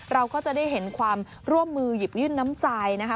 เราก็จะได้เห็นความร่วมมือหยิบยื่นน้ำใจนะคะ